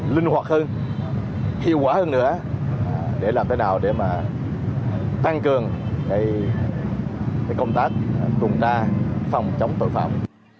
linh hoạt hơn hiệu quả hơn nữa để làm thế nào để mà tăng cường công tác cùng ta phòng chống tội phạm